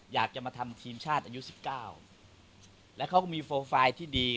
อยากจะมาทำทีมชาติอายุ๑๙แล้วเขาก็มีโปรไฟล์ที่ดี